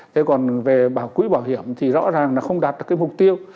thế còn về bảo quỹ bảo hiểm thì rõ ràng là không đạt được cái mục tiêu